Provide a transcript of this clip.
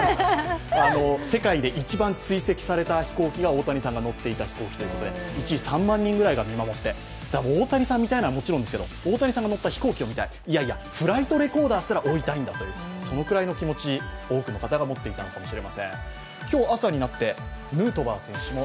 世界で一番追跡された飛行機が大谷さんが乗っていた飛行機で、一時３万人が見守っていて大谷さんを見たいのはもちろんですけど大谷さんが乗った飛行機が見たいいやいや、フライトレコーダーすら追いたいんだとそのくらいの気持ち、多くの方が持っていたのかもしれません。